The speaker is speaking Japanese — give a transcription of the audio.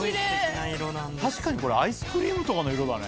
確かにこれアイスクリームとかの色だね。